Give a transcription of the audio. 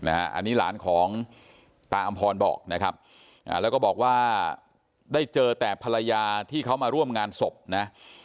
อันนี้หลานของตาอำพรบอกนะครับแล้วก็บอกว่าได้เจอแต่ภรรยาที่เขามาร่วมงานศพนะ